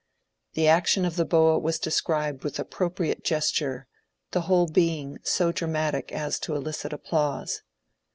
The action of the boa was described with appropriate gesture, the whole being so dramatic as to elicit applause.